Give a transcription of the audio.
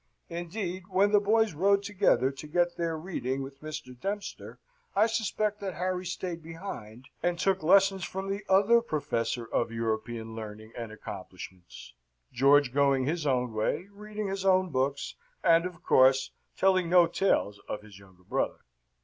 Indeed, when the boys rode together to get their reading with Mr. Dempster, I suspect that Harry stayed behind and took lessons from the other professor of European learning and accomplishments, George going his own way, reading his own books, and, of course, telling no tales of his younger brother.